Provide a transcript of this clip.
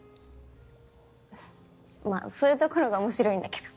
まあそういうところが面白いんだけど。